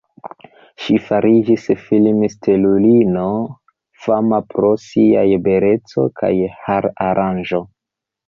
Ŝi fariĝis film-stelulino, fama pro siaj beleco kaj har-aranĝo.